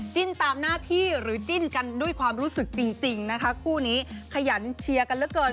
จิ้นตามหน้าที่หรือจิ้นกันด้วยความรู้สึกจริงนะคะคู่นี้ขยันเชียร์กันเหลือเกิน